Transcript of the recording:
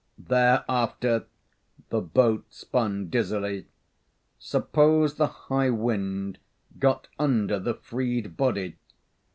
Thereafter the boat spun dizzily suppose the high wind got under the freed body?